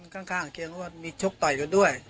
คนข้างเขียงว่ามีชกต่อยกันด้วย